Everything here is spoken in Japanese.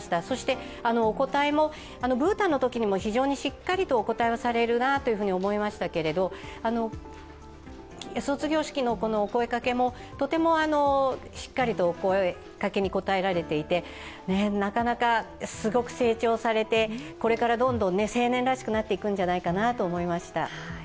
そして、お応えもブータンのときも非常にしっかりお応えされるなと思いましたけれど卒業式のお声がけも、とてもしっかりとお声がけに応えられていて、なかなかすごく成長されて、これからどんどん青年らしくなっていくんではないかなと思いました。